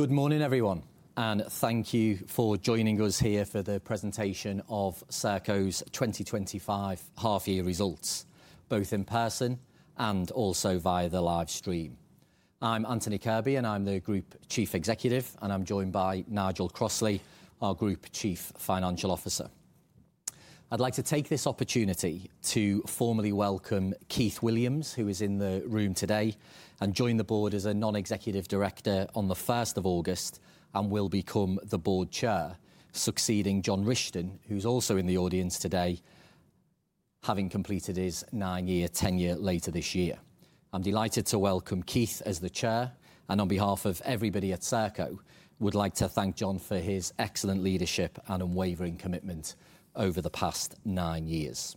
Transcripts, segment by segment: Good morning, everyone, and thank you for joining us here for the presentation of Serco's 2025 half-year results, both in person and also via the livestream. I'm Anthony Kirby, and I'm the Group Chief Executive, and I'm joined by Nigel Crossley, our Group Chief Financial Officer. I'd like to take this opportunity to formally welcome Keith Williams, who is in the room today, and joined the Board as a Non-Executive Director on the 1st of August and will become the Board Chair, succeeding John Richton, who's also in the audience today, having completed his nine-year tenure later this year. I'm delighted to welcome Keith as the Chair, and on behalf of everybody at Serco, I would like to thank John for his excellent leadership and unwavering commitment over the past nine years.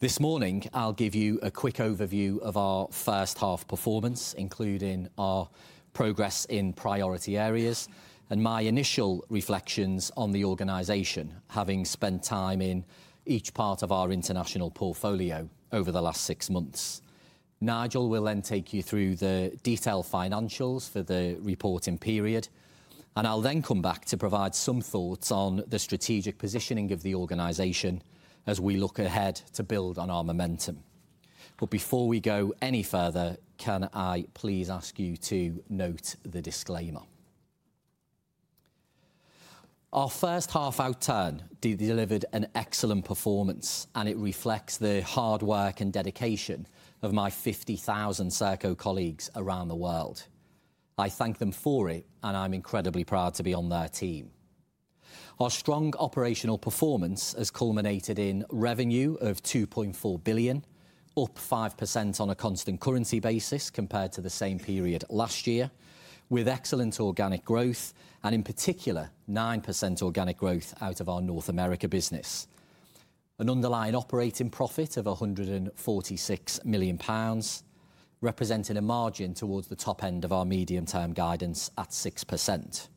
This morning, I'll give you a quick overview of our first half performance, including our progress in priority areas and my initial reflections on the organization, having spent time in each part of our international portfolio over the last six months. Nigel will then take you through the detailed financials for the reporting period, and I'll then come back to provide some thoughts on the strategic positioning of the organization as we look ahead to build on our momentum. Before we go any further, can I please ask you to note the disclaimer. Our first half outturn delivered an excellent performance, and it reflects the hard work and dedication of my 50,000 Serco colleagues around the world. I thank them for it, and I'm incredibly proud to be on their team. Our strong operational performance has culminated in revenue of £2.4 billion, up 5% on a constant currency basis compared to the same period last year, with excellent organic growth and, in particular, 9% organic growth out of our North America business. An underlying operating profit of £146 million, representing a margin towards the top end of our medium-term guidance at 6%.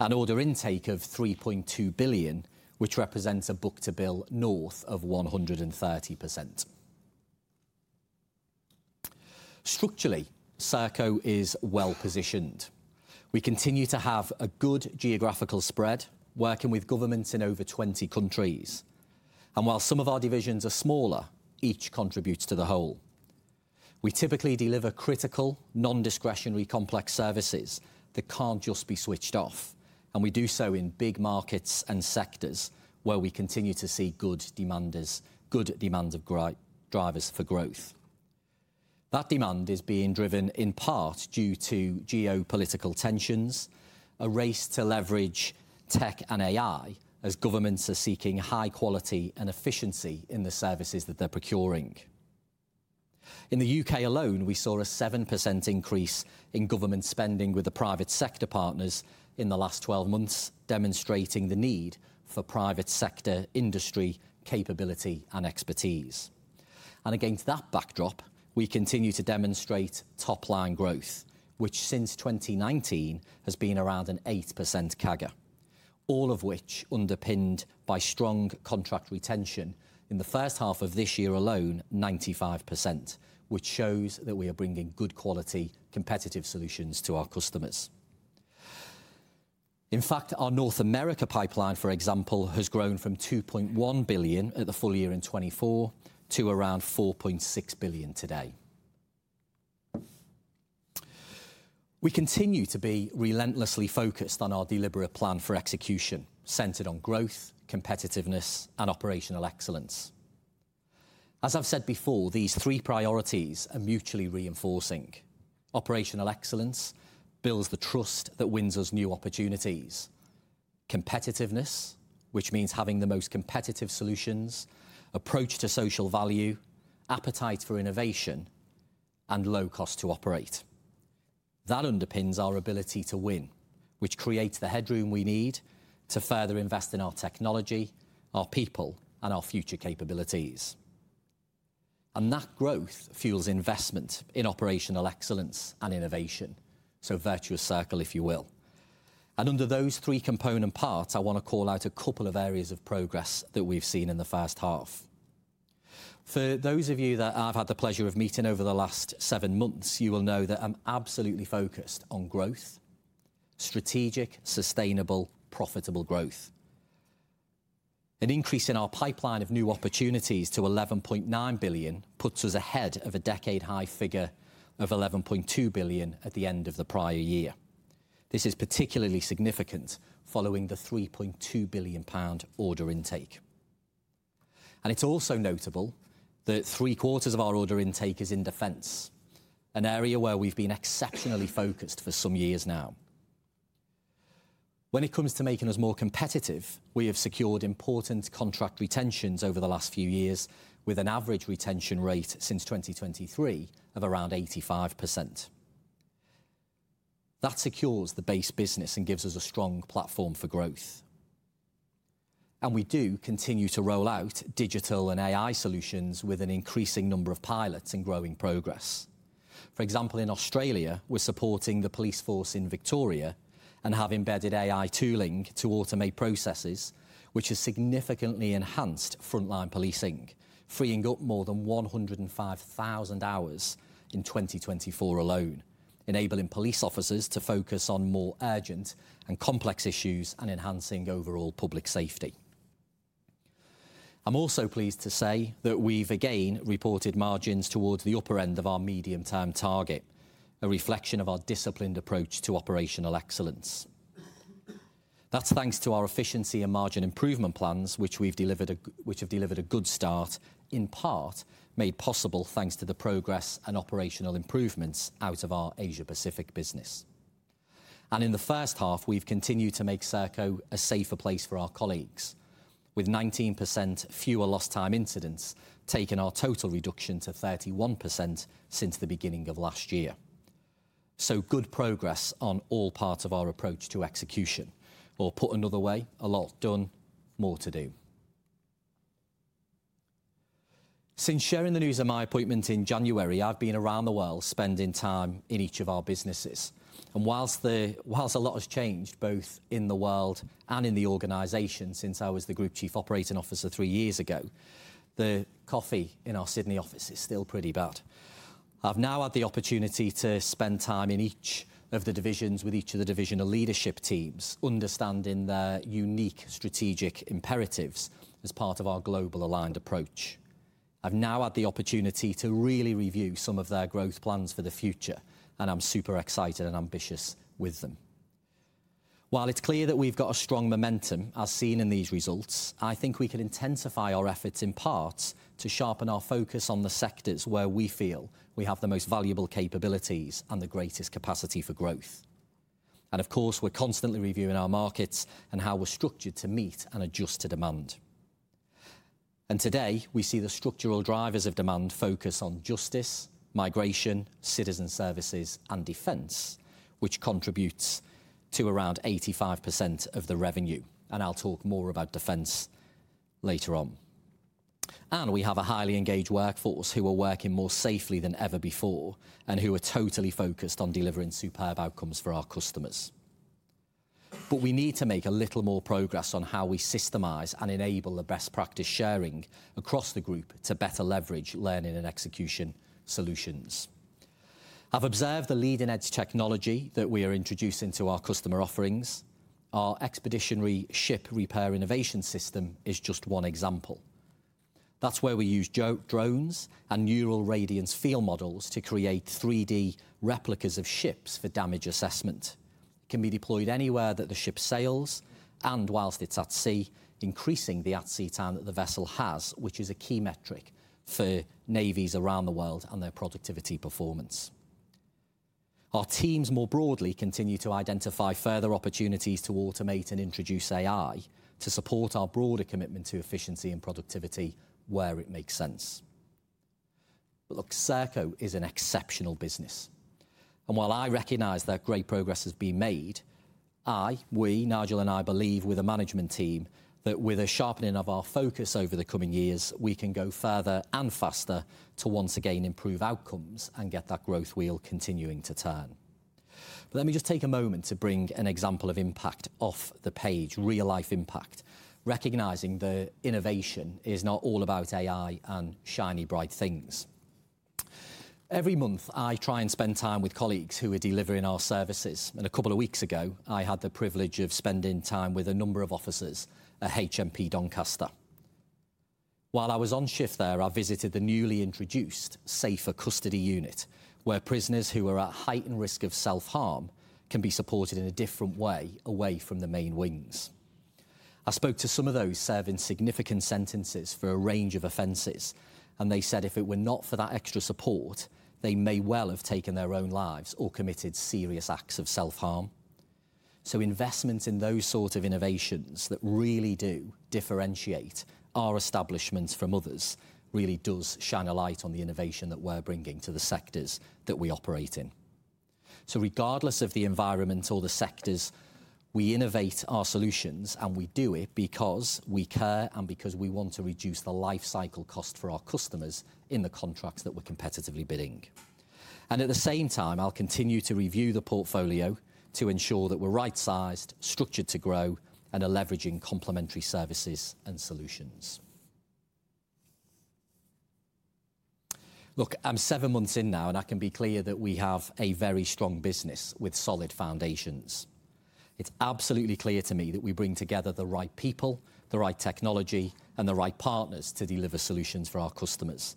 An order intake of £3.2 billion, which represents a book-to-bill north of 130%. Structurally, Serco is well-positioned. We continue to have a good geographical spread, working with governments in over 20 countries. While some of our divisions are smaller, each contributes to the whole. We typically deliver critical, non-discretionary complex services that can't just be switched off, and we do so in big markets and sectors where we continue to see good demand of drivers for growth. That demand is being driven in part due to geopolitical tensions, a race to leverage tech and AI, as governments are seeking high quality and efficiency in the services that they're procuring. In the U.K. alone, we saw a 7% increase in government spending with the private sector partners in the last 12 months, demonstrating the need for private sector industry capability and expertise. Against that backdrop, we continue to demonstrate top-line growth, which since 2019 has been around an 8% CAGR, all of which is underpinned by strong contract retention. In the first half of this year alone, 95%, which shows that we are bringing good quality competitive solutions to our customers. In fact, our North America pipeline, for example, has grown from £2.1 billion at the full year in 2024 to around £4.6 billion today. We continue to be relentlessly focused on our deliberate plan for execution, centered on growth, competitiveness, and operational excellence. As I've said before, these three priorities are mutually reinforcing. Operational excellence builds the trust that wins us new opportunities. Competitiveness, which means having the most competitive solutions, approach to social value, appetite for innovation, and low cost to operate, underpins our ability to win, which creates the headroom we need to further invest in our technology, our people, and our future capabilities. That growth fuels investment in operational excellence and innovation, so virtuous circle, if you will. Under those three component parts, I want to call out a couple of areas of progress that we've seen in the first half. For those of you that I've had the pleasure of meeting over the last seven months, you will know that I'm absolutely focused on growth, strategic, sustainable, profitable growth. An increase in our pipeline of new opportunities to £11.9 billion puts us ahead of a decade-high figure of £11.2 billion at the end of the prior year. This is particularly significant following the £3.2 billion order intake. It's also notable that 3/4 of our order intake is in defense, an area where we've been exceptionally focused for some years now. When it comes to making us more competitive, we have secured important contract retentions over the last few years, with an average retention rate since 2023 of around 85%. That secures the base business and gives us a strong platform for growth. We do continue to roll out digital and AI solutions with an increasing number of pilots and growing progress. For example, in Australia, we're supporting the police force in Victoria and have embedded AI tooling to automate processes, which has significantly enhanced frontline policing, freeing up more than 105,000 hours in 2024 alone, enabling police officers to focus on more urgent and complex issues and enhancing overall public safety. I'm also pleased to say that we've again reported margins towards the upper end of our medium-term target, a reflection of our disciplined approach to operational excellence. That's thanks to our efficiency and margin improvement plans, which have delivered a good start, in part made possible thanks to the progress and operational improvements out of our Asia-Pacific business. In the first half, we've continued to make Serco a safer place for our colleagues, with 19% fewer lost time incidents, taking our total reduction to 31% since the beginning of last year. Good progress on all parts of our approach to execution, or put another way, a lot done, more to do. Since sharing the news of my appointment in January, I've been around the world spending time in each of our businesses. Whilst a lot has changed, both in the world and in the organization since I was the Group Chief Operating Officer three years ago, the coffee in our Sydney office is still pretty bad. I've now had the opportunity to spend time in each of the divisions with each of the divisional leadership teams, understanding their unique strategic imperatives as part of our global aligned approach. I've now had the opportunity to really review some of their growth plans for the future, and I'm super excited and ambitious with them. While it's clear that we've got a strong momentum, as seen in these results, I think we can intensify our efforts in part to sharpen our focus on the sectors where we feel we have the most valuable capabilities and the greatest capacity for growth. Of course, we're constantly reviewing our markets and how we're structured to meet and adjust to demand. Today, we see the structural drivers of demand focus on justice, migration, citizen services, and defense, which contributes to around 85% of the revenue. I'll talk more about defense later on. We have a highly engaged workforce who are working more safely than ever before and who are totally focused on delivering superb outcomes for our customers. We need to make a little more progress on how we systemize and enable the best practice sharing across the group to better leverage learning and execution solutions. I've observed the leading-edge technology that we are introducing to our customer offerings. Our expeditionary ship repair innovation system is just one example. That's where we use drones and neural radiance field models to create 3D replicas of ships for damage assessment. It can be deployed anywhere that the ship sails, and whilst it's at sea, increasing the at-sea time that the vessel has, which is a key metric for navies around the world and their productivity performance. Our teams more broadly continue to identify further opportunities to automate and introduce AI to support our broader commitment to efficiency and productivity where it makes sense. Serco is an exceptional business. While I recognize that great progress has been made, we, Nigel and I, believe with a management team that with a sharpening of our focus over the coming years, we can go further and faster to once again improve outcomes and get that growth wheel continuing to turn. Let me just take a moment to bring an example of impact off the page, real-life impact, recognizing that innovation is not all about AI and shiny, bright things. Every month, I try and spend time with colleagues who are delivering our services, and a couple of weeks ago, I had the privilege of spending time with a number of officers at HMP Doncaster. While I was on shift there, I visited the newly introduced Safer Custody Unit, where prisoners who are at heightened risk of self-harm can be supported in a different way away from the main wings. I spoke to some of those serving significant sentences for a range of offenses, and they said if it were not for that extra support, they may well have taken their own lives or committed serious acts of self-harm. Investment in those sorts of innovations that really do differentiate our establishments from others really does shine a light on the innovation that we're bringing to the sectors that we operate in. Regardless of the environment or the sectors, we innovate our solutions, and we do it because we care and because we want to reduce the lifecycle cost for our customers in the contracts that we're competitively bidding. At the same time, I'll continue to review the portfolio to ensure that we're right-sized, structured to grow, and are leveraging complementary services and solutions. I'm seven months in now, and I can be clear that we have a very strong business with solid foundations. It's absolutely clear to me that we bring together the right people, the right technology, and the right partners to deliver solutions for our customers.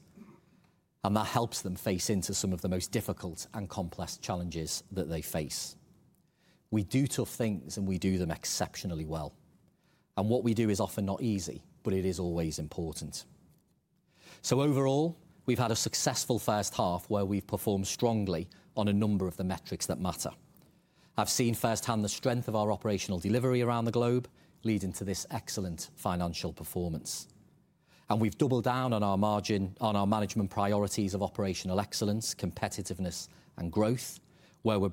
That helps them face into some of the most difficult and complex challenges that they face. We do tough things, and we do them exceptionally well. What we do is often not easy, but it is always important. Overall, we've had a successful first half where we've performed strongly on a number of the metrics that matter. I've seen firsthand the strength of our operational delivery around the globe, leading to this excellent financial performance. We've doubled down on our management priorities of operational excellence, competitiveness, and growth, where we're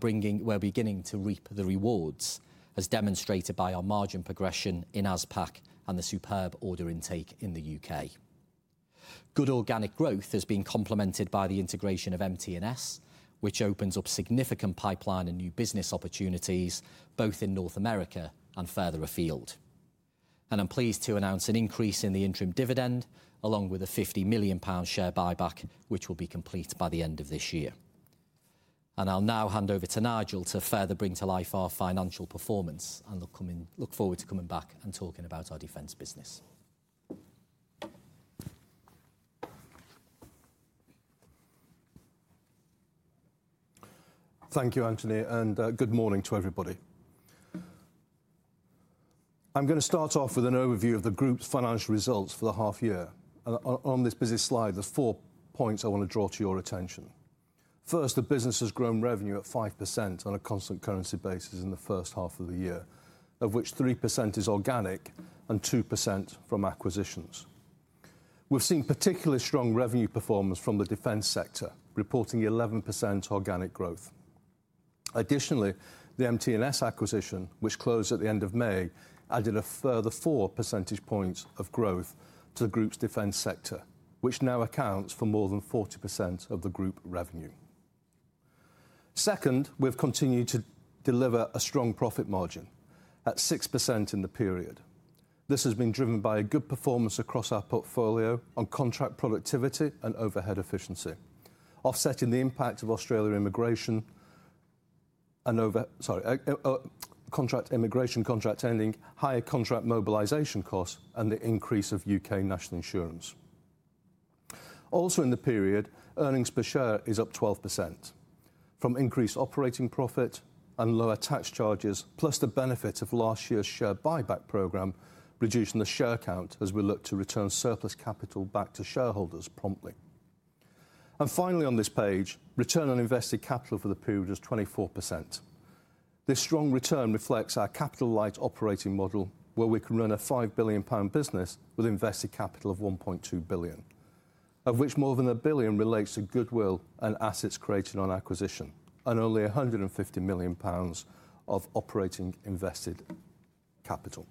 beginning to reap the rewards, as demonstrated by our margin progression in ASPAC and the superb order intake in the U.K. Good organic growth has been complemented by the integration of MT&S, which opens up significant pipeline and new business opportunities, both in North America and further afield. I'm pleased to announce an increase in the interim dividend, along with a £50 million share buyback, which will be complete by the end of this year. I'll now hand over to Nigel to further bring to life our financial performance, and look forward to coming back and talking about our defense business. Thank you, Anthony, and good morning to everybody. I'm going to start off with an overview of the group's financial results for the half year. On this business slide, there are four points I want to draw to your attention. First, the business has grown revenue at 5% on a constant currency basis in the first half of the year, of which 3% is organic and 2% from acquisitions. We've seen particularly strong revenue performance from the defense sector, reporting 11% organic growth. Additionally, the MT&S acquisition, which closed at the end of May, added a further 4 percentage points of growth to the group's defense sector, which now accounts for more than 40% of the group revenue. Second, we've continued to deliver a strong profit margin at 6% in the period. This has been driven by a good performance across our portfolio on contract productivity and overhead efficiency, offsetting the impact of Australia immigration and contract immigration contracts ending, higher contract mobilization costs, and the increase of U.K. national insurance. Also in the period, earnings per share is up 12% from increased operating profit and lower tax charges, plus the benefits of last year's share buyback program, reducing the share count as we look to return surplus capital back to shareholders promptly. Finally, on this page, return on invested capital for the period is 24%. This strong return reflects our capital-light operating model, where we can run a £5 billion business with invested capital of £1.2 billion, of which more than £1 billion relates to goodwill and assets created on acquisition, and only £150 million of operating invested capital.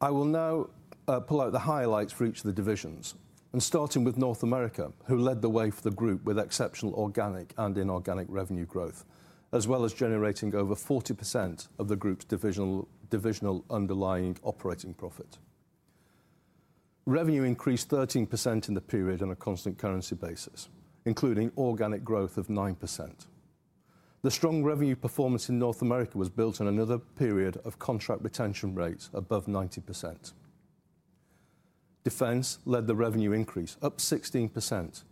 I will now pull out the highlights for each of the divisions, starting with North America, who led the way for the group with exceptional organic and inorganic revenue growth, as well as generating over 40% of the group's divisional underlying operating profit. Revenue increased 13% in the period on a constant currency basis, including organic growth of 9%. The strong revenue performance in North America was built on another period of contract retention rates above 90%. Defense led the revenue increase, up 16%,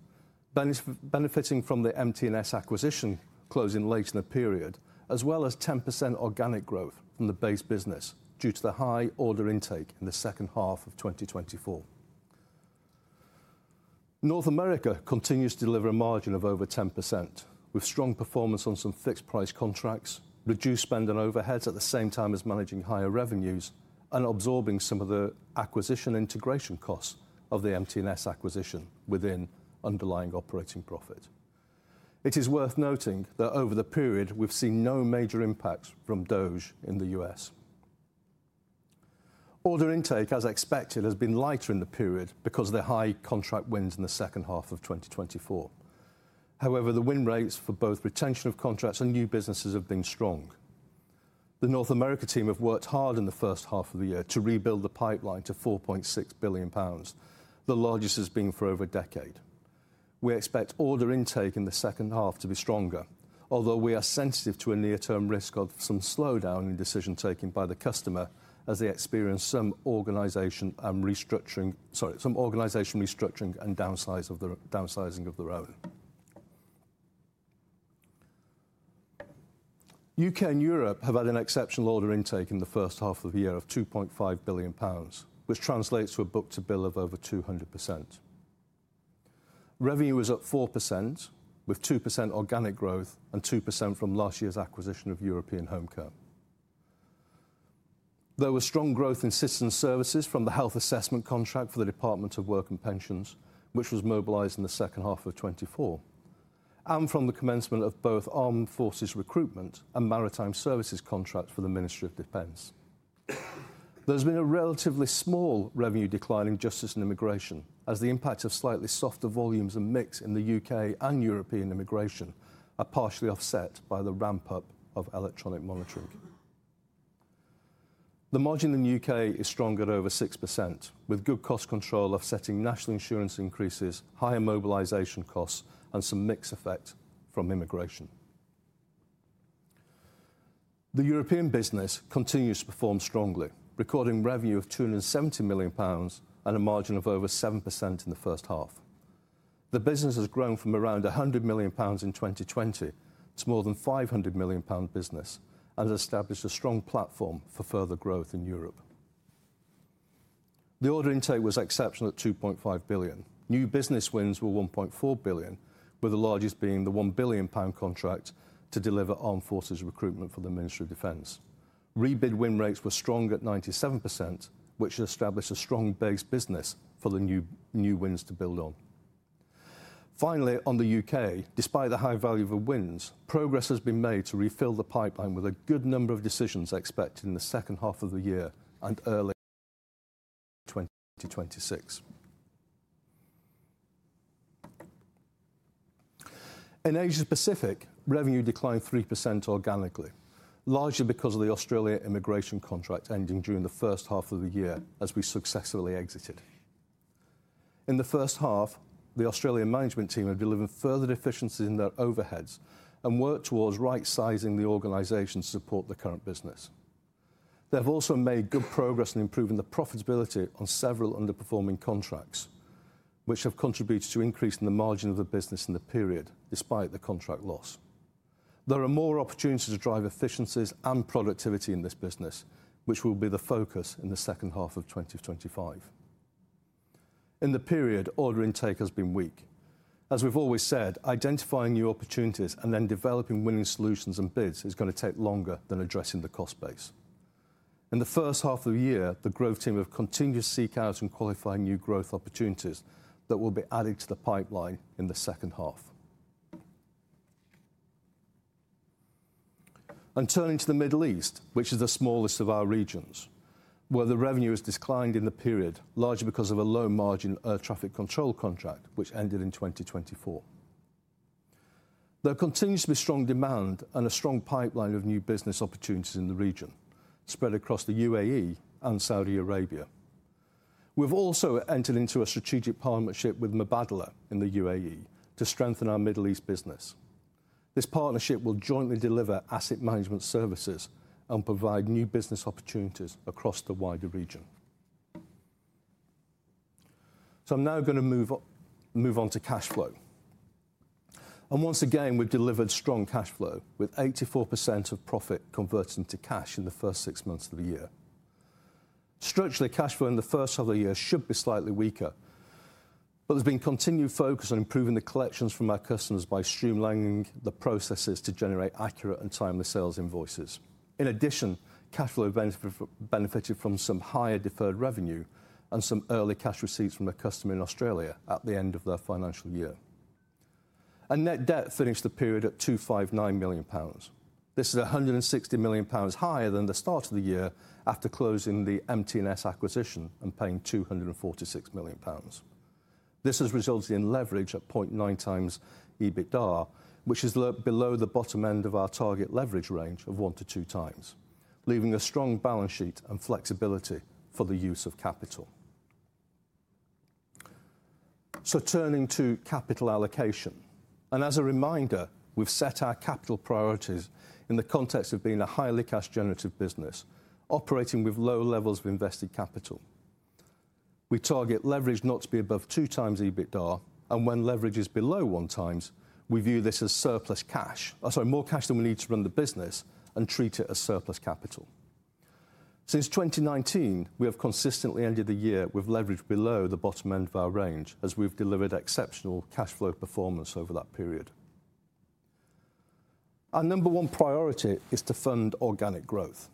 benefiting from the MT&S acquisition closing late in the period, as well as 10% organic growth from the base business due to the high order intake in the second half of 2024. North America continues to deliver a margin of over 10%, with strong performance on some fixed-price contracts, reduced spend on overheads at the same time as managing higher revenues and absorbing some of the acquisition integration costs of the MT&S acquisition within underlying operating profit. It is worth noting that over the period, we've seen no major impacts from DOGE in the U.S. Order intake, as expected, has been lighter in the period because of the high contract wins in the second half of 2024. However, the win rates for both retention of contracts and new businesses have been strong. The North America team have worked hard in the first half of the year to rebuild the pipeline to £4.6 billion, the largest it has been for over a decade. We expect order intake in the second half to be stronger, although we are sensitive to a near-term risk of some slowdown in decision taking by the customer as they experience some organization restructuring and downsizing of their own. U.K. and Europe have had an exceptional order intake in the first half of the year of £2.5 billion, which translates to a book-to-bill of over 200%. Revenue was up 4%, with 2% organic growth and 2% from last year's acquisition of European Homecare. There was strong growth in citizen services from the health assessment contract for the Department of Work and Pensions, which was mobilized in the second half of 2024, and from the commencement of both Armed Forces recruitment and Maritime services contracts for the Ministry of Defence. There's been a relatively small revenue decline in justice and immigration, as the impact of slightly softer volumes and mix in the U.K. and European immigration are partially offset by the ramp-up of electronic monitoring. The margin in the U.K. is strong at over 6%, with good cost control offsetting national insurance increases, higher mobilization costs, and some mix effect from immigration. The European business continues to perform strongly, recording revenue of £270 million and a margin of over 7% in the first half. The business has grown from around £100 million in 2020 to more than a £500 million business and has established a strong platform for further growth in Europe. The order intake was exceptional at £2.5 billion. New business wins were £1.4 billion, with the largest being the £1 billion contract to deliver armed forces recruitment for the Ministry of Defence. Rebid win rates were strong at 97%, which has established a strong base business for the new wins to build on. Finally, on the U.K., despite the high value of wins, progress has been made to refill the pipeline with a good number of decisions expected in the second half of the year and early 2026. In Asia-Pacific, revenue declined 3% organically, largely because of the Australia immigration contract ending during the first half of the year as we successfully exited. In the first half, the Australian management team have delivered further efficiencies in their overheads and worked towards right-sizing the organization to support the current business. They've also made good progress in improving the profitability on several underperforming contracts, which have contributed to increasing the margin of the business in the period, despite the contract loss. There are more opportunities to drive efficiencies and productivity in this business, which will be the focus in the second half of 2025. In the period, order intake has been weak. As we've always said, identifying new opportunities and then developing winning solutions and bids is going to take longer than addressing the cost base. In the first half of the year, the growth team have continued to seek out and qualify new growth opportunities that will be added to the pipeline in the second half. Turning to the Middle East, which is the smallest of our regions, where the revenue has declined in the period, largely because of a low margin air traffic control contract, which ended in 2024. There continues to be strong demand and a strong pipeline of new business opportunities in the region, spread across the UAE and Saudi Arabia. We've also entered into a strategic partnership with Mubadala in the UAE to strengthen our Middle East business. This partnership will jointly deliver asset management services and provide new business opportunities across the wider region. I'm now going to move on to cash flow. Once again, we've delivered strong cash flow, with 84% of profit converting to cash in the first six months of the year. Structurally, cash flow in the first half of the year should be slightly weaker, but there's been continued focus on improving the collections from our customers by streamlining the processes to generate accurate and timely sales invoices. In addition, cash flow benefited from some higher deferred revenue and some early cash receipts from the customer in Australia at the end of their financial year. Net debt finished the period at £259 million. This is £160 million higher than the start of the year after closing the MT&S acquisition and paying £246 million. This has resulted in leverage at 0.9x EBITDA, which is below the bottom end of our target leverage range of 1x to 2x, leaving a strong balance sheet and flexibility for the use of capital. Turning to capital allocation, and as a reminder, we've set our capital priorities in the context of being a highly cash-generative business operating with low levels of invested capital. We target leverage not to be above 2x EBITDA, and when leverage is below 1x, we view this as surplus cash, sorry, more cash than we need to run the business and treat it as surplus capital. Since 2019, we have consistently ended the year with leverage below the bottom end of our range, as we've delivered exceptional cash flow performance over that period. Our number one priority is to fund organic growth.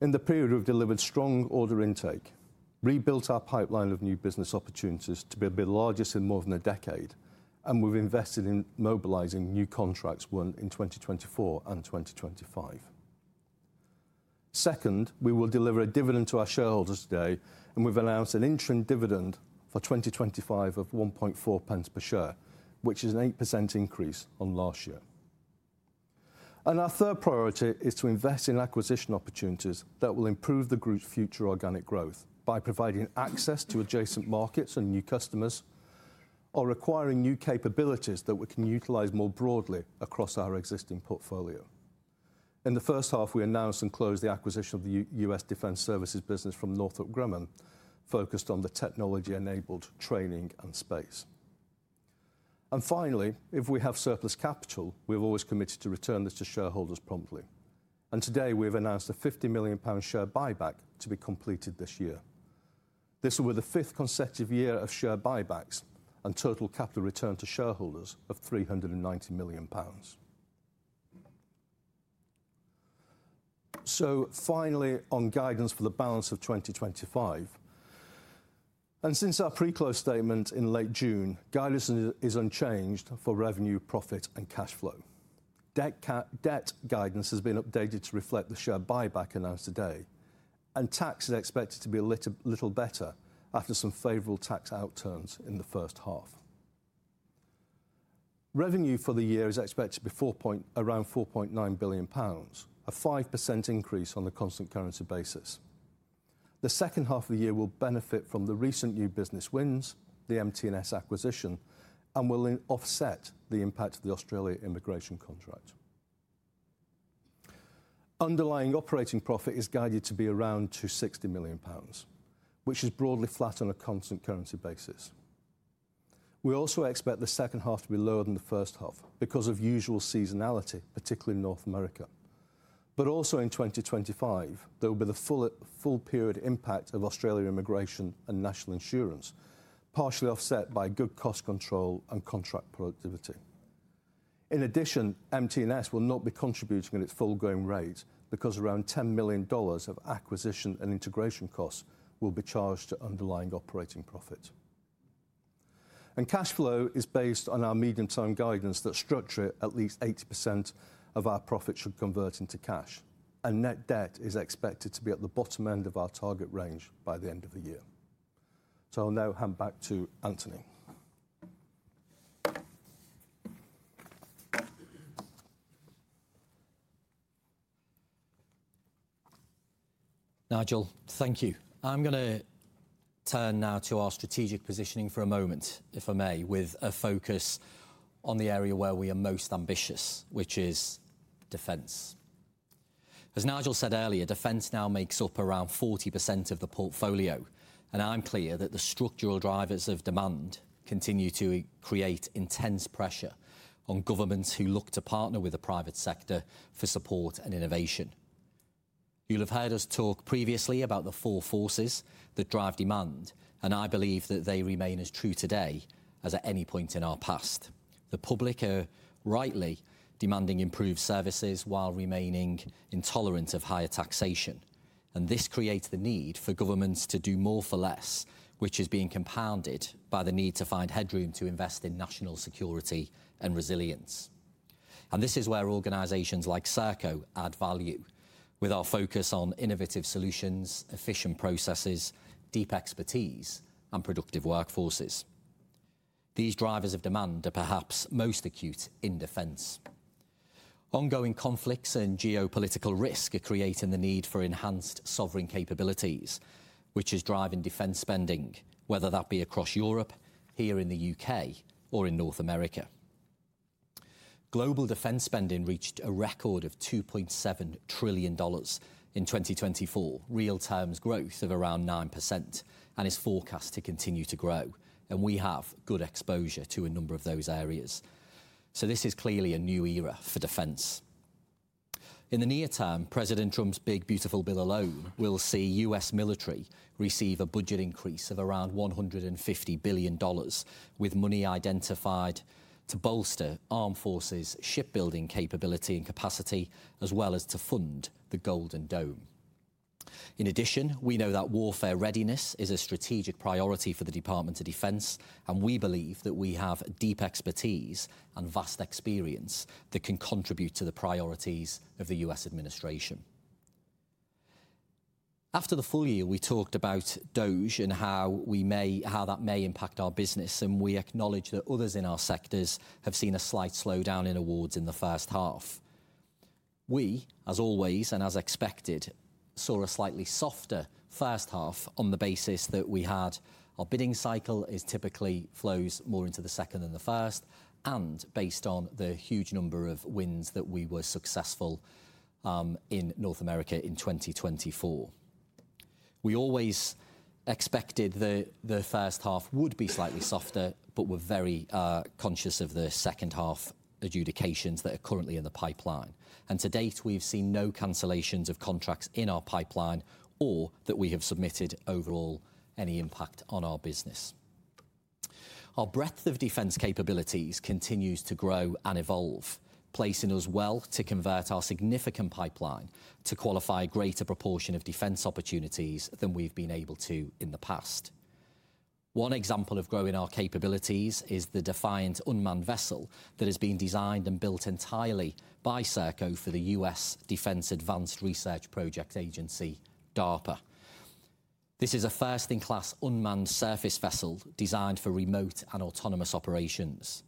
In the period, we've delivered strong order intake, rebuilt our pipeline of new business opportunities to be the largest in more than a decade, and we've invested in mobilizing new contracts in 2024 and 2025. Second, we will deliver a dividend to our shareholders today, and we've announced an interim dividend for 2025 of 1.4 pence per share, which is an 8% increase on last year. Our third priority is to invest in acquisition opportunities that will improve the group's future organic growth by providing access to adjacent markets and new customers or acquiring new capabilities that we can utilize more broadly across our existing portfolio. In the first half, we announced and closed the acquisition of the U.S. defense services business from Northrop Grumman, focused on the technology-enabled training and space. Finally, if we have surplus capital, we've always committed to return this to shareholders promptly. Today, we've announced a £50 million share buyback to be completed this year. This will be the fifth consecutive year of share buybacks and total capital return to shareholders of £390 million. Finally, on guidance for the balance of 2025. Since our pre-close statement in late June, guidance is unchanged for revenue, profit, and cash flow. Debt guidance has been updated to reflect the share buyback announced today, and tax is expected to be a little better after some favorable tax outturns in the first half. Revenue for the year is expected to be around £4.9 billion, a 5% increase on the constant currency basis. The second half of the year will benefit from the recent new business wins, the MT&S acquisition, and will offset the impact of the Australia immigration contract. Underlying operating profit is guided to be around £260 million, which is broadly flat on a constant currency basis. We also expect the second half to be lower than the first half because of usual seasonality, particularly in North America. In 2025, there will be the full period impact of Australian immigration and national insurance, partially offset by good cost control and contract productivity. In addition, MT&S will not be contributing at its full growing rate because around £10 million of acquisition and integration costs will be charged to underlying operating profit. Cash flow is based on our medium-term guidance that at least 80% of our profit should convert into cash, and net debt is expected to be at the bottom end of our target range by the end of the year. I'll now hand back to Anthony. Nigel, thank you. I'm going to turn now to our strategic positioning for a moment, if I may, with a focus on the area where we are most ambitious, which is defense. As Nigel said earlier, defense now makes up around 40% of the portfolio, and I'm clear that the structural drivers of demand continue to create intense pressure on governments who look to partner with the private sector for support and innovation. You'll have heard us talk previously about the four forces that drive demand, and I believe that they remain as true today as at any point in our past. The public are rightly demanding improved services while remaining intolerant of higher taxation, and this creates the need for governments to do more for less, which is being compounded by the need to find headroom to invest in national security and resilience. This is where organizations like Serco add value, with our focus on innovative solutions, efficient processes, deep expertise, and productive workforces. These drivers of demand are perhaps most acute in defense. Ongoing conflicts and geopolitical risk are creating the need for enhanced sovereign capabilities, which is driving defense spending, whether that be across Europe, here in the U.K. or in North America. Global defense spending reached a record of $2.7 trillion in 2024, real-time growth of around 9%, and is forecast to continue to grow, and we have good exposure to a number of those areas. This is clearly a new era for defense. In the near term, President Trump's big Beautiful Bill Alone will see U.S. military receive a budget increase of around $150 billion, with money identified to bolster armed forces' shipbuilding capability and capacity, as well as to fund the Golden Dome. In addition, we know that warfare readiness is a strategic priority for the Department of Defense, and we believe that we have deep expertise and vast experience that can contribute to the priorities of the U.S. administration. After the full year, we talked about DOGE and how that may impact our business, and we acknowledge that others in our sectors have seen a slight slowdown in awards in the first half. We, as always, and as expected, saw a slightly softer first half on the basis that we had our bidding cycle typically flow more into the second than the first, and based on the huge number of wins that we were successful in North America in 2024. We always expected the first half would be slightly softer, but we're very conscious of the second half adjudications that are currently in the pipeline. To date, we've seen no cancellations of contracts in our pipeline or that we have submitted overall any impact on our business. Our breadth of defense capabilities continues to grow and evolve, placing us well to convert our significant pipeline to qualify a greater proportion of defense opportunities than we've been able to in the past. One example of growing our capabilities is the Defiant unmanned vessel that has been designed and built entirely by Serco for the U.S. Defense Advanced Research Projects Agency, DARPA. This is a first-in-class unmanned surface vessel designed for remote and autonomous operations.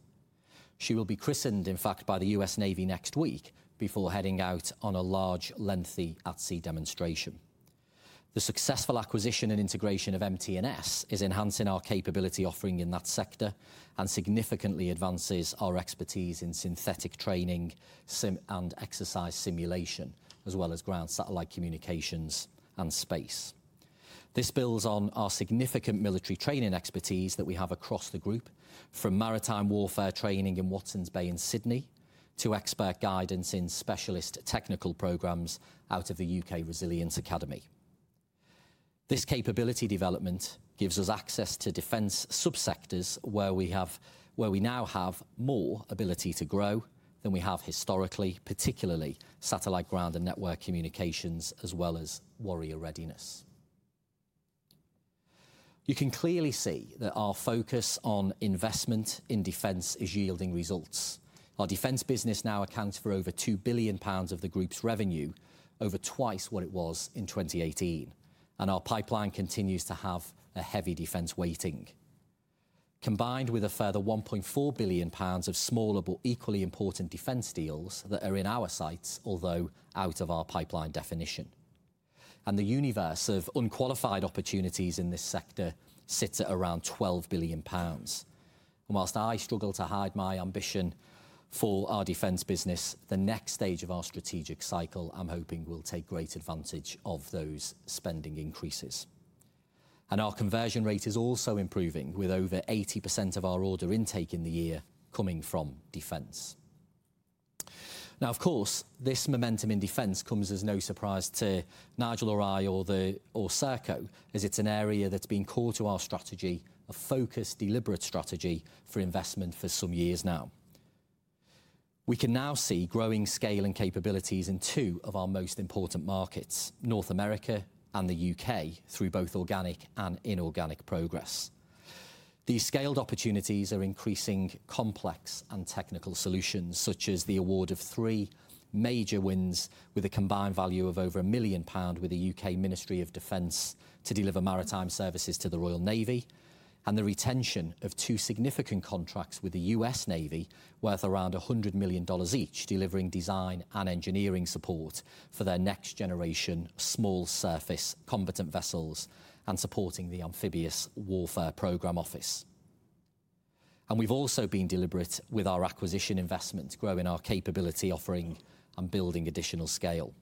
She will be christened, in fact, by the U.S. Navy next week before heading out on a large, lengthy at-sea demonstration. The successful acquisition and integration of MT&S is enhancing our capability offering in that sector and significantly advances our expertise in synthetic training and exercise simulation, as well as ground satellite communications and space. This builds on our significant military training expertise that we have across the group, from maritime warfare training in Watson's Bay in Sydney to expert guidance in specialist technical programs out of the U.K. Resilience Academy. This capability development gives us access to defense subsectors where we now have more ability to grow than we have historically, particularly satellite ground and network communications, as well as warrior readiness. You can clearly see that our focus on investment in defense is yielding results. Our defense business now accounts for over £2 billion of the group's revenue, over twice what it was in 2018, and our pipeline continues to have a heavy defense weighting, combined with a further £1.4 billion of smaller but equally important defense deals that are in our sights, although out of our pipeline definition. The universe of unqualified opportunities in this sector sits at around £12 billion. Whilst I struggle to hide my ambition for our defense business, the next stage of our strategic cycle, I'm hoping we'll take great advantage of those spending increases. Our conversion rate is also improving, with over 80% of our order intake in the year coming from defense. Now, of course, this momentum in defense comes as no surprise to Nigel or I or Serco, as it's an area that's been core to our strategy of focused, deliberate strategy for investment for some years now. We can now see growing scale and capabilities in two of our most important markets, North America and the U.K., through both organic and inorganic progress. These scaled opportunities are increasing complex and technical solutions, such as the award of three major wins with a combined value of over £1 million with the U.K. Ministry of Defence to deliver maritime services to the Royal Navy, and the retention of two significant contracts with the U.S. Navy worth around $100 million each, delivering design and engineering support for their next-generation small surface combatant vessels and supporting the Amphibious Warfare Program Office. We've also been deliberate with our acquisition investment, growing our capability offering and building additional scale.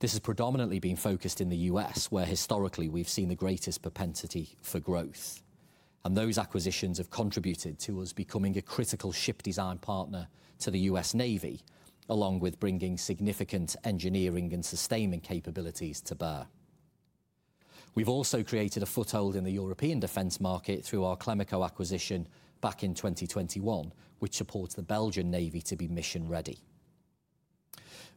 This has predominantly been focused in the U.S. where historically we've seen the greatest propensity for growth. Those acquisitions have contributed to us becoming a critical ship design partner to the U.S. Navy, along with bringing significant engineering and sustainment capabilities to bear. We've also created a foothold in the European defense market through our Clemaco acquisition back in 2021, which supports the Belgian Navy to be mission-ready.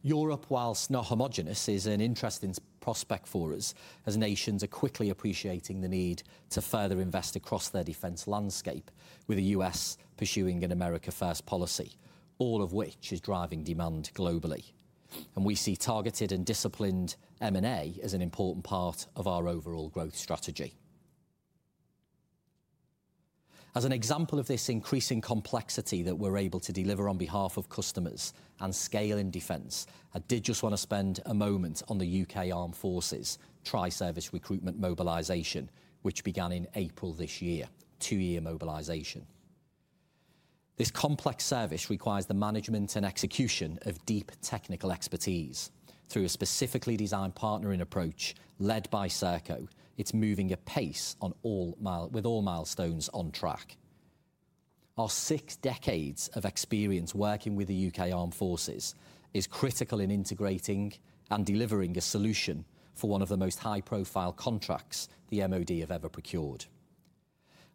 Europe, whilst not homogenous, is an interesting prospect for us, as nations are quickly appreciating the need to further invest across their defense landscape, with the U.S. pursuing an America-first policy, all of which is driving demand globally. We see targeted and disciplined M&A as an important part of our overall growth strategy. As an example of this increasing complexity that we're able to deliver on behalf of customers and scale in defense, I did just want to spend a moment on the U.K. Armed Forces Triservice Recruitment Mobilization, which began in April this year, two-year mobilization. This complex service requires the management and execution of deep technical expertise. Through a specifically designed partnering approach led by Serco, it's moving at pace with all milestones on track. Our six decades of experience working with the U.K. Armed Forces is critical in integrating and delivering a solution for one of the most high-profile contracts the MoD have ever procured.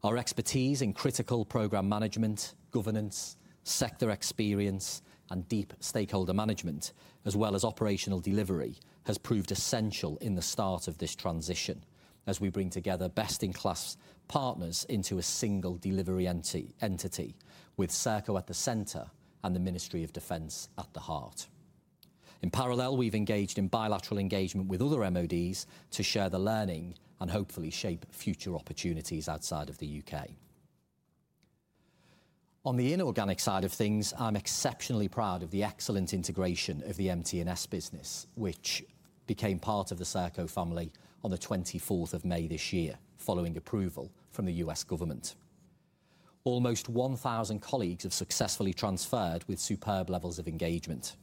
Our expertise in critical program management, governance, sector experience, and deep stakeholder management, as well as operational delivery, has proved essential in the start of this transition, as we bring together best-in-class partners into a single delivery entity, with Serco at the center and the Ministry of Defence at the heart. In parallel, we've engaged in bilateral engagement with other MoDs to share the learning and hopefully shape future opportunities outside of the U.K. On the inorganic side of things, I'm exceptionally proud of the excellent integration of the MT&S business, which became part of the Serco family on the 24th of May this year, following approval from the U.S. government. Almost 1,000 colleagues have successfully transferred with superb levels of engagement.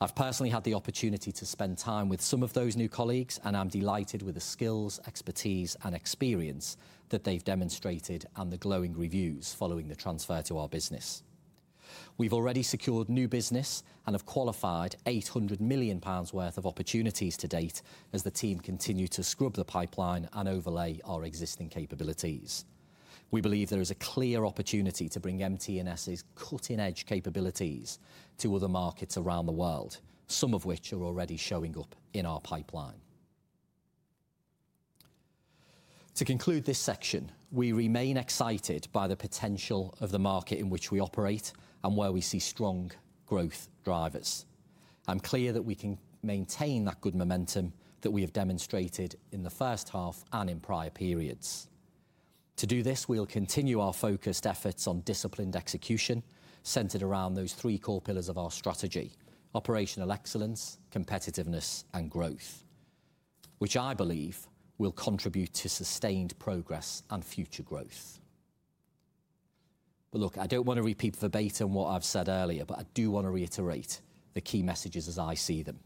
I've personally had the opportunity to spend time with some of those new colleagues, and I'm delighted with the skills, expertise, and experience that they've demonstrated and the glowing reviews following the transfer to our business. We've already secured new business and have qualified £800 million worth of opportunities to date as the team continues to scrub the pipeline and overlay our existing capabilities. We believe there is a clear opportunity to bring MT&S's cutting-edge capabilities to other markets around the world, some of which are already showing up in our pipeline. To conclude this section, we remain excited by the potential of the market in which we operate and where we see strong growth drivers. I'm clear that we can maintain that good momentum that we have demonstrated in the first half and in prior periods. To do this, we'll continue our focused efforts on disciplined execution centered around those three core pillars of our strategy: operational excellence, competitiveness, and growth, which I believe will contribute to sustained progress and future growth. I don't want to repeat verbatim what I've said earlier, but I do want to reiterate the key messages as I see them.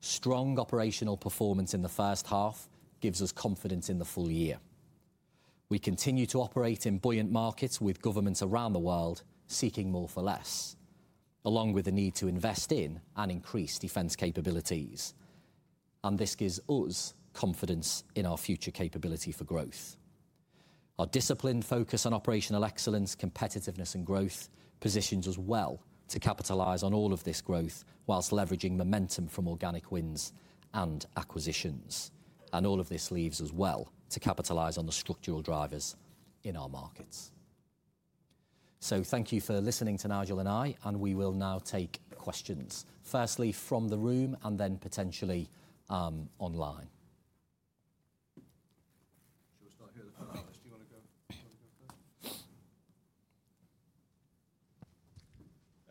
Strong operational performance in the first half gives us confidence in the full year. We continue to operate in buoyant markets with governments around the world seeking more for less, along with the need to invest in and increase defense capabilities. This gives us confidence in our future capability for growth. Our disciplined focus on operational excellence, competitiveness, and growth positions us well to capitalize on all of this growth whilst leveraging momentum from organic wins and acquisitions. All of this leaves us well to capitalize on the structural drivers in our markets. Thank you for listening to Nigel and I, and we will now take questions, firstly from the room and then potentially online. Should we start here at the front office? Do you want to go?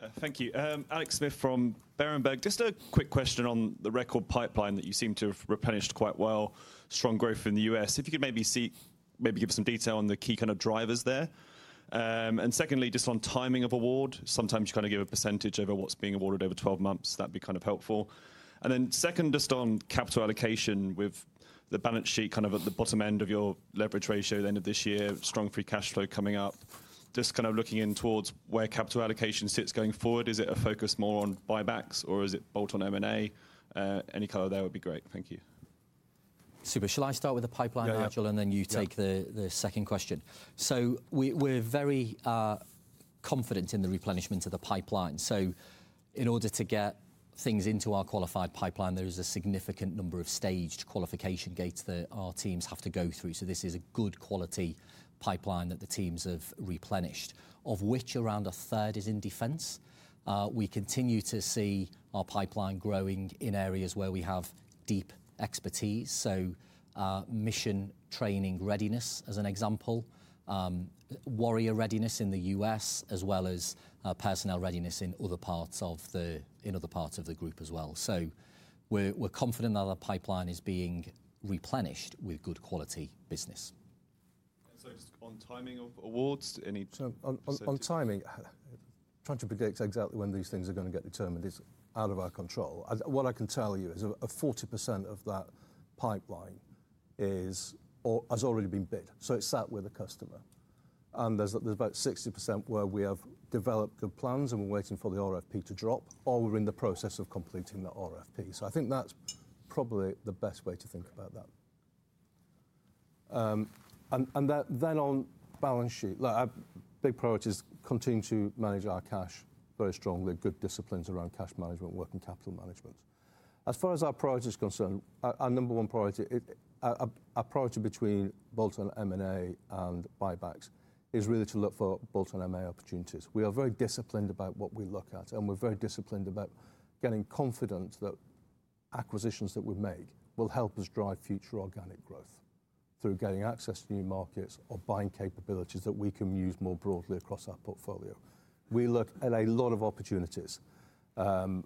If you want to go, go. Thank you. Alex Smith from Berenberg. Just a quick question on the record pipeline that you seem to have replenished quite well. Strong growth in the U.S. If you could maybe see, maybe give us some detail on the key kind of drivers there. Secondly, just on timing of award, sometimes you kind of give a percentage over what's being awarded over 12 months. That'd be kind of helpful. Then second, just on capital allocation with the balance sheet kind of at the bottom end of your leverage ratio at the end of this year, strong free cash flow coming up. Just kind of looking in towards where capital allocation sits going forward. Is it a focus more on buybacks or is it both on M&A? Any color there would be great. Thank you. Super. Shall I start with the pipeline, Nigel, and then you take the second question? We're very confident in the replenishment of the pipeline. In order to get things into our qualified pipeline, there is a significant number of staged qualification gates that our teams have to go through. This is a good quality pipeline that the teams have replenished, of which around 1/3 is in defense. We continue to see our pipeline growing in areas where we have deep expertise, mission training readiness as an example, warrior readiness in the U.S., as well as personnel readiness in other parts of the group as well. We're confident that our pipeline is being replenished with good quality business. Just on timing of awards? Any? On timing, trying to predict exactly when these things are going to get determined is out of our control. What I can tell you is 40% of that pipeline has already been bid, so it's sat with a customer. There's about 60% where we have developed good plans and we're waiting for the RFP to drop, or we're in the process of completing the RFP. I think that's probably the best way to think about that. On balance sheet, the big priority is continuing to manage our cash very strongly. Good disciplines around cash management and working capital management. As far as our priority is concerned, our number one priority between both M&A and buybacks is really to look for both M&A opportunities. We are very disciplined about what we look at, and we're very disciplined about getting confident that acquisitions that we make will help us drive future organic growth through getting access to new markets or buying capabilities that we can use more broadly across our portfolio. We look at a lot of opportunities, and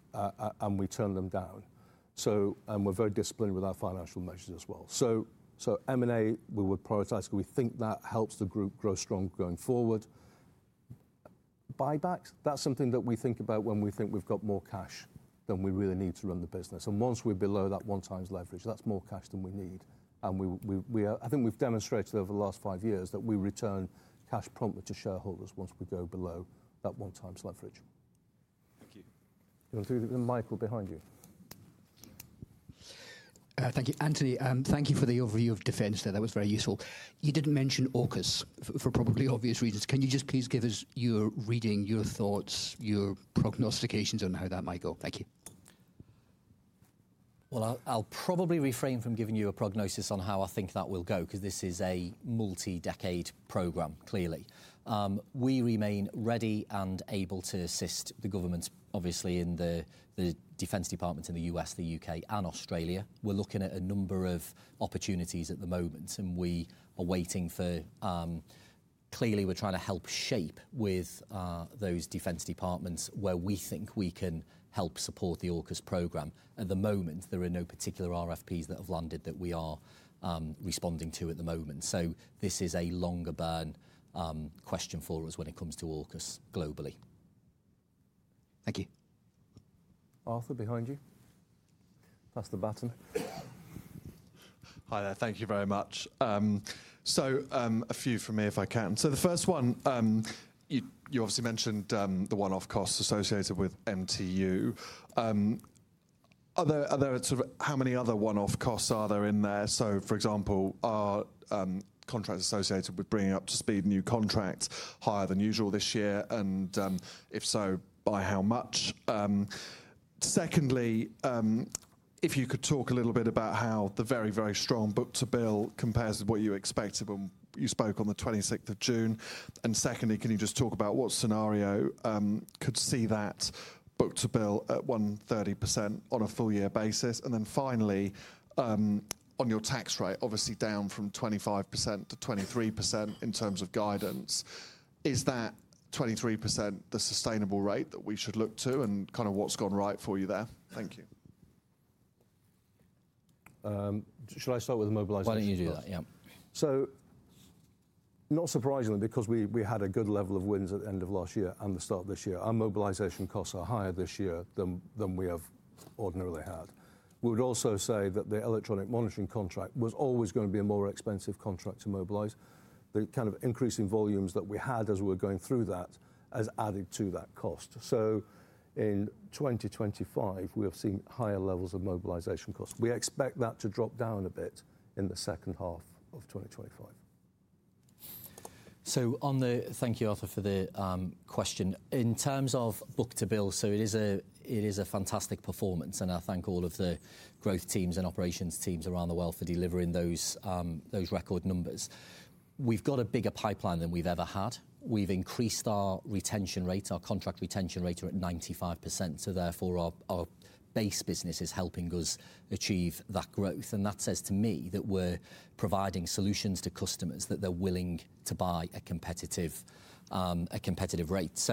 we turn them down. We're very disciplined with our financial measures as well. M&A, we would prioritize because we think that helps the group grow strong going forward. Buybacks are something that we think about when we think we've got more cash than we really need to run the business. Once we're below that one-times leverage, that's more cash than we need. I think we've demonstrated over the last five years that we return cash promptly to shareholders once we go below that one-times leverage. Thank you. Do you want to do the Michael behind you? Thank you, Anthony. Thank you for the overview of defense there. That was very useful. You didn't mention AUKUS for probably obvious reasons. Can you just please give us your reading, your thoughts, your prognostications on how that might go? Thank you. I’ll probably refrain from giving you a prognosis on how I think that will go because this is a multi-decade program, clearly. We remain ready and able to assist the governments, obviously, in the defense departments in the U.S., the U.K., and Australia. We're looking at a number of opportunities at the moment, and we are waiting for, clearly, we're trying to help shape with those defense departments where we think we can help support the AUKUS program. At the moment, there are no particular RFPs that have landed that we are responding to at the moment. This is a longer burn question for us when it comes to AUKUS globally. Thank you. Arthur, behind you. Pass the baton. Hi there. Thank you very much. A few from me if I can. The first one, you obviously mentioned the one-off costs associated with MTU. Are there, sort of, how many other one-off costs are there in there? For example, are contracts associated with bringing up to speed new contracts higher than usual this year? If so, by how much? Secondly, if you could talk a little bit about how the very, very strong book-to-bill compares with what you expected when you spoke on the 26th of June. Secondly, can you just talk about what scenario could see that book-to-bill at 130% on a full-year basis? Finally, on your tax rate, obviously down from 25%-23% in terms of guidance. Is that 23% the sustainable rate that we should look to and kind of what's gone right for you there? Thank you. Should I start with the mobilization? Why don't you do that? Yes. Not surprisingly, because we had a good level of wins at the end of last year and the start of this year, our mobilization costs are higher this year than we have ordinarily had. We would also say that the electronic monitoring contract was always going to be a more expensive contract to mobilize. The kind of increasing volumes that we had as we were going through that has added to that cost. In 2025, we have seen higher levels of mobilization costs. We expect that to drop down a bit in the second half of 2025. Thank you, Arthur, for the question. In terms of book-to-bill, it is a fantastic performance, and I thank all of the growth teams and operations teams around the world for delivering those record numbers. We've got a bigger pipeline than we've ever had. We've increased our retention rate, our contract retention rate at 95%, so therefore our base business is helping us achieve that growth. That says to me that we're providing solutions to customers that they're willing to buy at a competitive rate.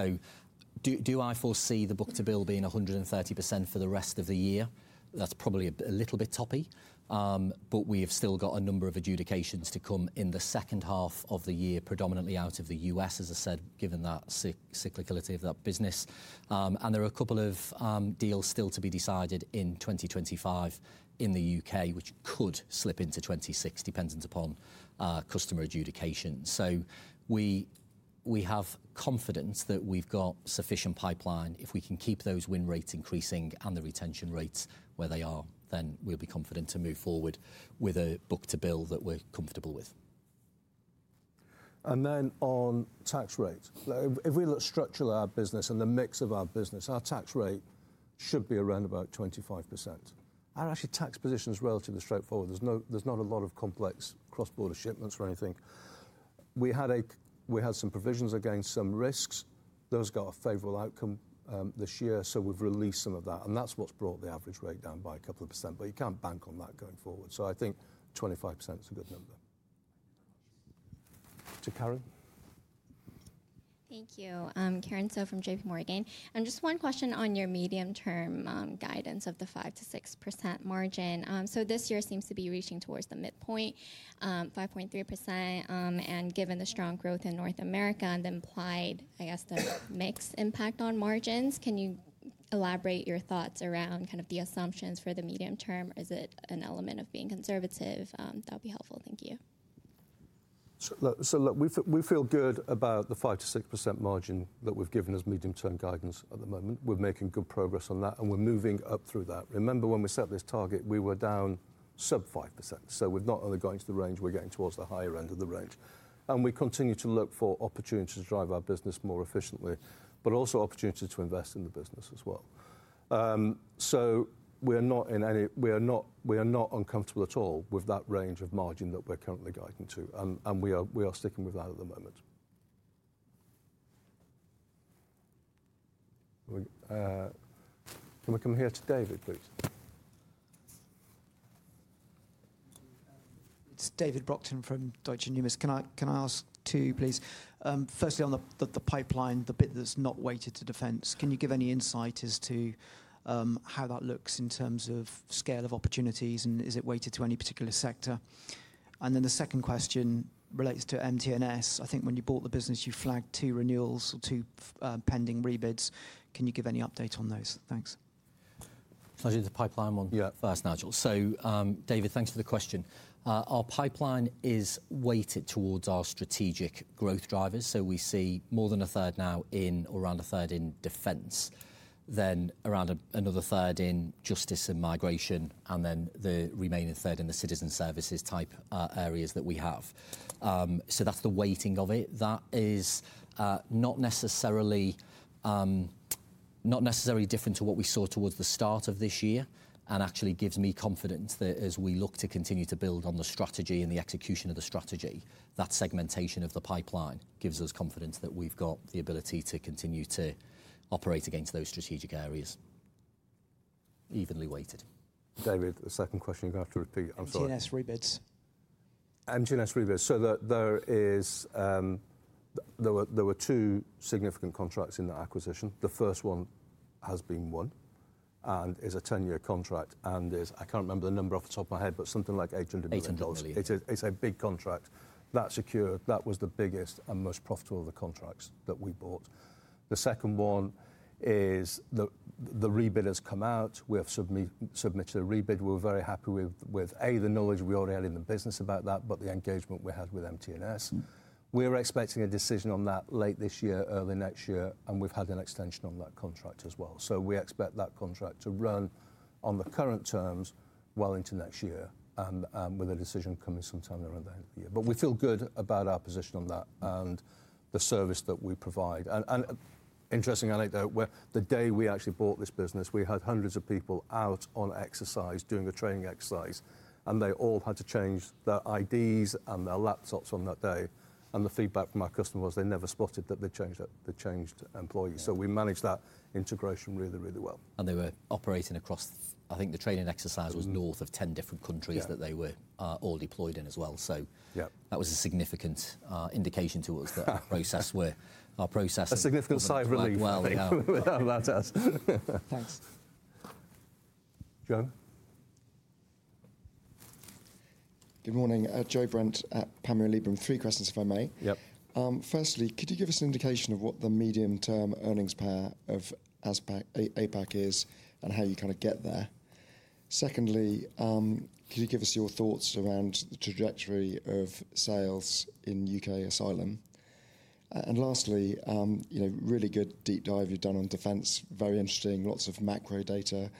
Do I foresee the book-to-bill being 130% for the rest of the year? That's probably a little bit toppy, but we have still got a number of adjudications to come in the second half of the year, predominantly out of the U.S., as I said, given that cyclicality of that business. There are a couple of deals still to be decided in 2025 in the U.K., which could slip into 2026, dependent upon customer adjudication. We have confidence that we've got sufficient pipeline. If we can keep those win rates increasing and the retention rates where they are, then we'll be confident to move forward with a book-to-bill that we're comfortable with. Then on tax rate. If we look structurally at our business and the mix of our business, our tax rate should be around about 25%. Actually, tax position is relatively straightforward. There's not a lot of complex cross-border shipments or anything. We had some provisions against some risks. Those got a favorable outcome this year, so we've released some of that. That's what's brought the average rate down by a couple of percent, but you can't bank on that going forward. I think 25% is a good number. To Karin. Thank you. I am Karin So from JP Morgan. Just one question on your medium-term guidance of the 5%-6% margin. This year seems to be reaching towards the midpoint, 5.3%. Given the strong growth in North America and the implied, I guess, the mixed impact on margins, can you elaborate your thoughts around the assumptions for the medium term? Is it an element of being conservative? That would be helpful. Thank you. We feel good about the 5%-6% margin that we've given as medium-term guidance at the moment. We're making good progress on that, and we're moving up through that. Remember when we set this target, we were down sub 5%. We're not only going to the range, we're getting towards the higher end of the range. We continue to look for opportunities to drive our business more efficiently, but also opportunities to invest in the business as well. We are not uncomfortable at all with that range of margin that we're currently guiding to, and we are sticking with that at the moment. Can we come here to David, please? It's David Brockton from Deutsche. Can I ask two, please? Firstly, on the pipeline, the bit that's not weighted to defense, can you give any insight as to how that looks in terms of scale of opportunities and is it weighted to any particular sector? The second question relates to MT&S. I think when you bought the business, you flagged two renewals or two pending rebids. Can you give any update on those? Thanks. I'll do the pipeline one here at first, Nigel. So David, thanks for the question. Our pipeline is weighted towards our strategic growth drivers. We see more than 1/3 now in, or around 1/3 in defense, then around another 1/3 in justice and migration, and then the remaining 1/3 in the citizen services type areas that we have. That's the weighting of it. That is not necessarily different to what we saw towards the start of this year and actually gives me confidence that as we look to continue to build on the strategy and the execution of the strategy, that segmentation of the pipeline gives us confidence that we've got the ability to continue to operate against those strategic areas, evenly weighted. David, the second question after repeat, I'm sorry. MT&S rebids. MT&S rebids. There were two significant contracts in that acquisition. The first one has been won and is a 10-year contract and is, I can't remember the number off the top of my head, but something like $800 million. It's a big contract. That secured, that was the biggest and most profitable of the contracts that we bought. The second one is, the rebid has come out. We have submitted a rebid. We're very happy with, A, the knowledge we already had in the business about that, but the engagement we had with MT&S. We're expecting a decision on that late this year, early next year, and we've had an extension on that contract as well. We expect that contract to run on the current terms well into next year with a decision coming sometime around that year. We feel good about our position on that and the service that we provide. An interesting anecdote, the day we actually bought this business, we had hundreds of people out on exercise, doing a training exercise, and they all had to change their IDs and their laptops on that day. The feedback from our customers was they never spotted that they changed employees. We managed that integration really, really well. They were operating across, I think the training exercise was north of 10 different countries that they were all deployed in as well. That was a significant indication to us that our process, where our process. A significant sigh of relief, without us. Thanks. Joe. Good morning. Joe Brent at Panmure Liberum. Three questions, if I may. Firstly, could you give us an indication of what the medium-term earnings power of APAC is and how you kind of get there? Secondly, could you give us your thoughts around the trajectory of sales in U.K. asylum? Lastly, you know, really good deep dive you've done on defense. Very interesting. Lots of macro data.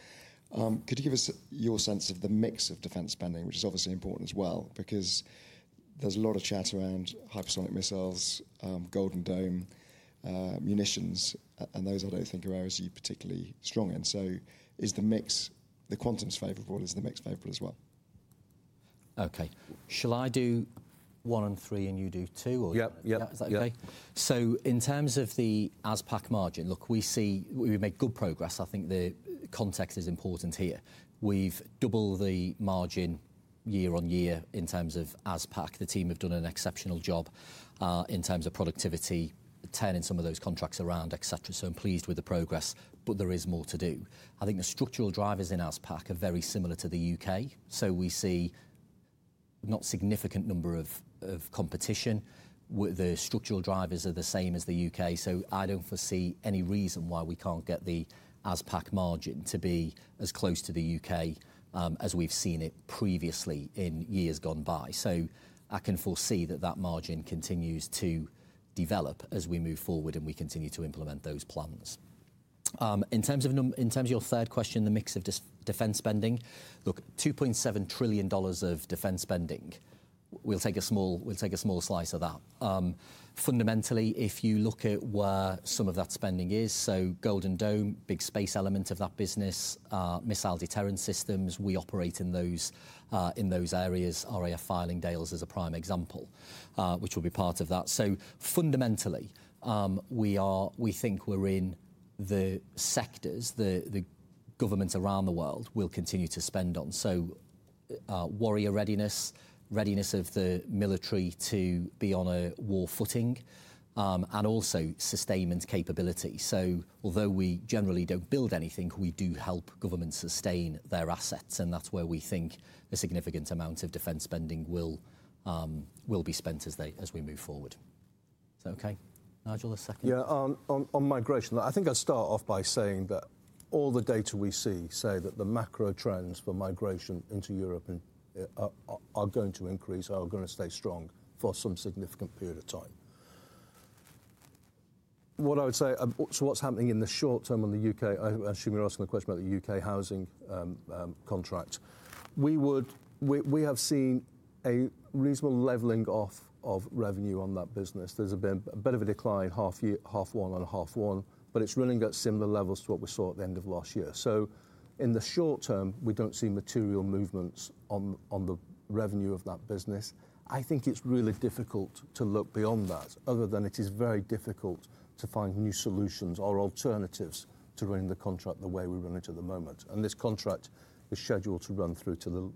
Could you give us your sense of the mix of defense spending, which is obviously important as well, because there's a lot of chat around hypersonic missiles, Golden Dome munitions, and those I don't think are areas you're particularly strong in. Is the mix, the quantum's favorable, is the mix favorable as well? Okay. Shall I do one and three, and you do two? Yep. That's okay. In terms of the ASPAC margin, look, we see we make good progress. I think the context is important here. We've doubled the margin year on year in terms of ASPAC. The team have done an exceptional job in terms of productivity, turning some of those contracts around, et cetera. I'm pleased with the progress, but there is more to do. I think the structural drivers in ASPAC are very similar to the U.K. We see a significant number of competition. The structural drivers are the same as the U.K. I don't foresee any reason why we can't get the ASPAC margin to be as close to the U.K. as we've seen it previously in years gone by. I can foresee that margin continues to develop as we move forward and we continue to implement those plans. In terms of your third question, the mix of defense spending. Look, $2.7 trillion of defense spending. We'll take a small slice of that. Fundamentally, if you look at where some of that spending is, Golden Dome, big space element of that business, missile deterrent systems, we operate in those areas. RAF Fylingdales is a prime example, which will be part of that. Fundamentally, we think we're in the sectors that governments around the world will continue to spend on. Warrior readiness, readiness of the military to be on a war footing, and also sustainment capability. Although we generally don't build anything, we do help governments sustain their assets. That's where we think a significant amount of defense spending will be spent as we move forward. Okay. Nigel, a second. Yeah, on migration, I think I'll start off by saying that all the data we see say that the macro trends for migration into Europe are going to increase, are going to stay strong for some significant period of time. What I would say, what's happening in the short term on the U.K., I assume you're asking the question about the U.K. housing contract. We have seen a reasonable leveling off of revenue on that business. There's been a bit of a decline, half one and half one, but it's running at similar levels to what we saw at the end of last year. In the short term, we don't see material movements on the revenue of that business. I think it's really difficult to look beyond that, other than it is very difficult to find new solutions or alternatives to running the contract the way we run it at the moment. This contract is scheduled to run through to the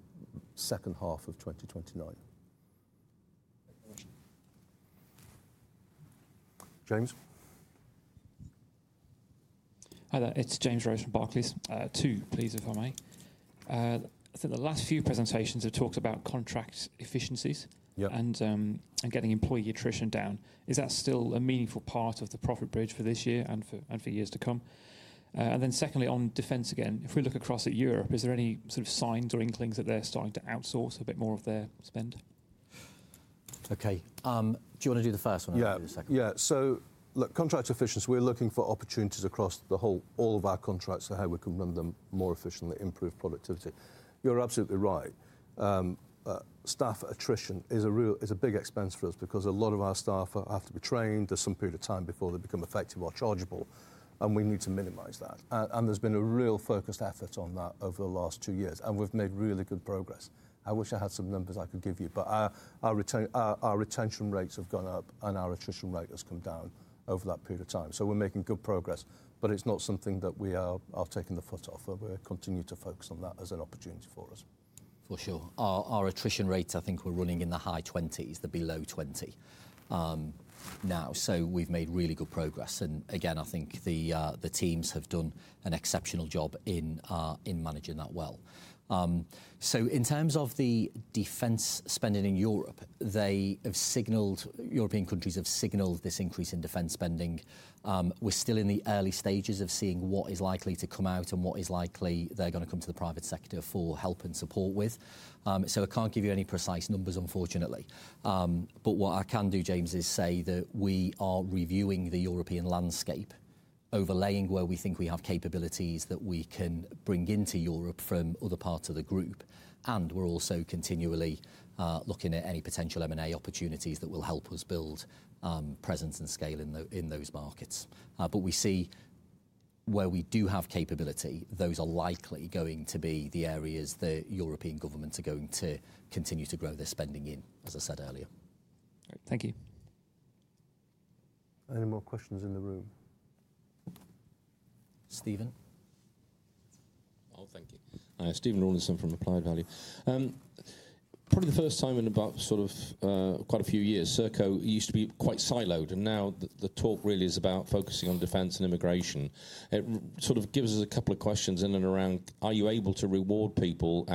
second half of 2029. James. Hello, it's James Rosenthal from Barclays. Two, please, if I may. The last few presentations have talked about contract efficiencies and getting employee attrition down. Is that still a meaningful part of the profit bridge for this year and for years to come? Secondly, on defense again, if we look across at Europe, is there any sort of signs or inklings that they're starting to outsource a bit more of their spend? Okay. Do you want to do the first one? Yeah. So look, contract efficiency, we're looking for opportunities across all of our contracts, how we can run them more efficiently, improve productivity. You're absolutely right. Staff attrition is a big expense for us because a lot of our staff have to be trained for some period of time before they become effective or chargeable, and we need to minimize that. There's been a real focused effort on that over the last two years, and we've made really good progress. I wish I had some numbers I could give you, but our retention rates have gone up and our attrition rate has come down over that period of time. We're making good progress, but it's not something that we are taking the foot off of. We're continuing to focus on that as an opportunity for us. For sure. Our attrition rates, I think we're running in the high 20%, below 20% now. We've made really good progress. I think the teams have done an exceptional job in managing that well. In terms of the defense spending in Europe, they have signaled, European countries have signaled this increase in defense spending. We're still in the early stages of seeing what is likely to come out and what is likely they're going to come to the private sector for help and support with. I can't give you any precise numbers, unfortunately. What I can do, James, is say that we are reviewing the European landscape, overlaying where we think we have capabilities that we can bring into Europe from other parts of the group. We're also continually looking at any potential M&A opportunities that will help us build presence and scale in those markets. We see where we do have capability, those are likely going to be the areas that European governments are going to continue to grow their spending in, as I said earlier. All right. Thank you. Any more questions in the room? Stephen? Oh, thank you. Stephen Rawlinson from Applied Value. Probably the first time in about quite a few years, Serco used to be quite siloed, and now the talk really is about focusing on defense services and immigration services. It gives us a couple of questions in and around, are you able to reward people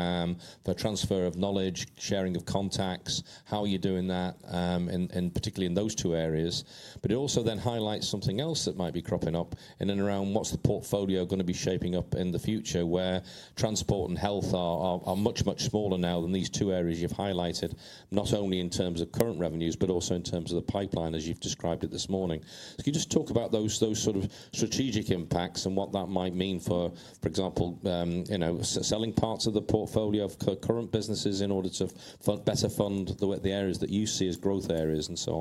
for transfer of knowledge, sharing of contacts, how are you doing that, and particularly in those two areas? It also then highlights something else that might be cropping up in and around what's the portfolio going to be shaping up in the future, where transport services and health services are much, much smaller now than these two areas you've highlighted, not only in terms of current revenues, but also in terms of the pipeline, as you've described it this morning. Can you just talk about those sort of strategic impacts and what that might mean for, for example, selling parts of the portfolio of current businesses in order to better fund the areas that you see as growth areas and so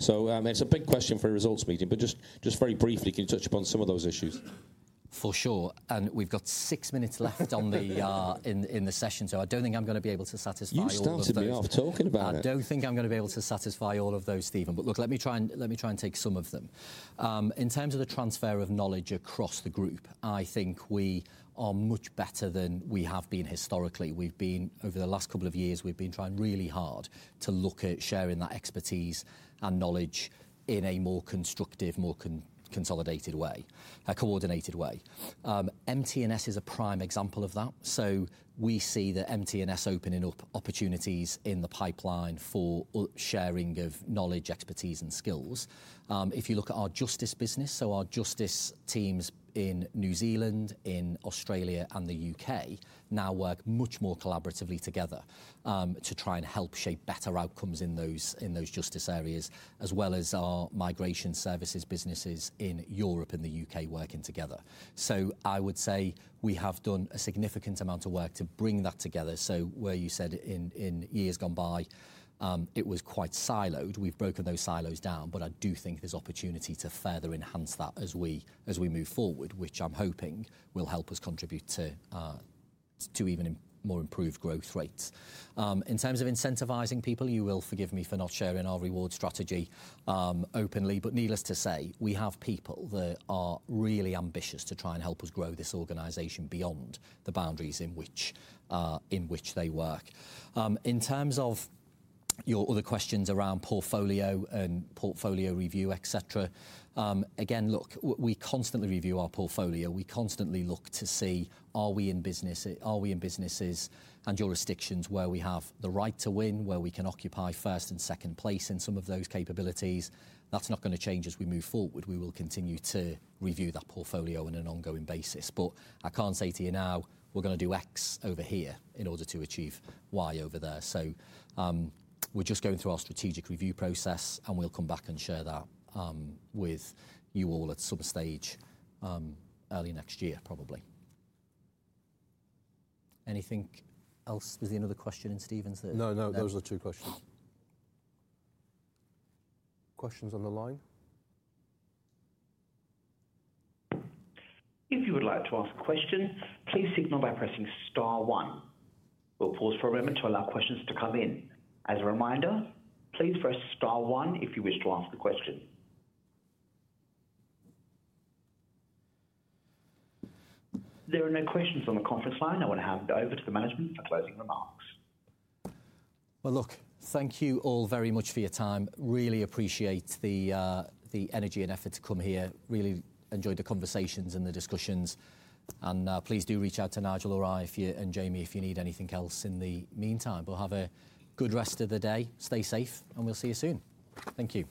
on? It's a big question for a results meeting, but just very briefly, can you touch upon some of those issues? For sure. We've got six minutes left in the session, so I don't think I'm going to be able to satisfy all of those. You started off talking about it. I don't think I'm going to be able to satisfy all of those, Stephen, but look, let me try and take some of them. In terms of the transfer of knowledge across the group, I think we are much better than we have been historically. We've been, over the last couple of years, trying really hard to look at sharing that expertise and knowledge in a more constructive, more consolidated way, a coordinated way. MT&S is a prime example of that. We see the MT&S opening up opportunities in the pipeline for sharing of knowledge, expertise, and skills. If you look at our justice business, our justice teams in New Zealand, in Australia, and the U.K. now work much more collaboratively together to try and help shape better outcomes in those justice areas, as well as our migration services businesses in Europe and the U.K. working together. I would say we have done a significant amount of work to bring that together. Where you said in years gone by, it was quite siloed, we've broken those silos down, but I do think there's opportunity to further enhance that as we move forward, which I'm hoping will help us contribute to even more improved growth rates. In terms of incentivizing people, you will forgive me for not sharing our reward strategy openly, but needless to say, we have people that are really ambitious to try and help us grow this organization beyond the boundaries in which they work. In terms of your other questions around portfolio and portfolio review, et cetera, we constantly review our portfolio. We constantly look to see, are we in businesses and jurisdictions where we have the right to win, where we can occupy first and second place in some of those capabilities? That's not going to change as we move forward. We will continue to review that portfolio on an ongoing basis, but I can't say to you now, we're going to do X over here in order to achieve Y over there. We're just going through our strategic review process, and we'll come back and share that with you all at some stage early next year, probably. Anything else? Was there another question in Stephen's? No, those are the two questions. Questions on the line? If you would like to ask questions, please signal by pressing star one. We'll pause for a moment to allow questions to come in. As a reminder, please press star one if you wish to ask a question. There are no questions on the conference line. I want to hand it over to the management for closing remarks. Thank you all very much for your time. Really appreciate the energy and effort to come here. Really enjoyed the conversations and the discussions, and please do reach out to Nigel or I and Jamie if you need anything else in the meantime. Have a good rest of the day. Stay safe, and we'll see you soon. Thank you.